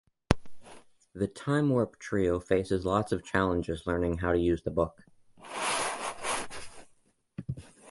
The Time Warp Trio faces lots of challenges learning how to use The Book.